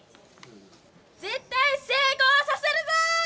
絶対成功させるぞ！